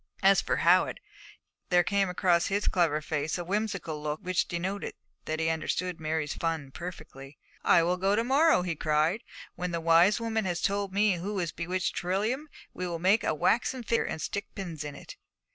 As for Howitt, there came across his clever face the whimsical look which denoted that he understood Mary's fun perfectly. 'I will go to morrow,' he cried. 'When the wise woman has told me who has bewitched Trilium, we will make a waxen figure and stick pins in it.'